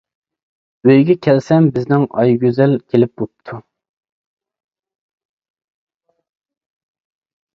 ئۆيگە كەلسەم بىزنىڭ ئايگۈزەل كېلىپ بوپتۇ.